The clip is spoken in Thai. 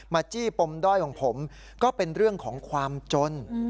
จี้ปมด้อยของผมก็เป็นเรื่องของความจน